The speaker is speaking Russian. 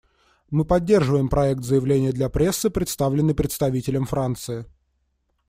Мы поддерживаем проект заявления для прессы, представленный представителем Франции.